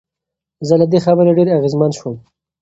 زه له دې خبرې ډېر اغېزمن شوم.